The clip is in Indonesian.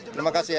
terima kasih ya